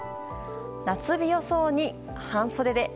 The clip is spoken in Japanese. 夏日予想に、半袖で。